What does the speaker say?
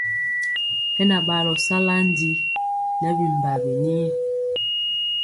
Hɛ na ɓaalɔ sala ndi nɛ bimbawi ni.